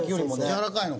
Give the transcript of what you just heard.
やわらかいの？